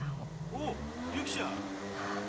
☎おうゆきちゃん！